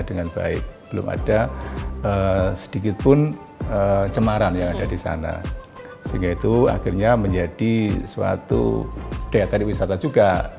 dengan baik belum ada sedikitpun cemaran yang ada di sana sehingga itu akhirnya menjadi suatu daya tarik wisata juga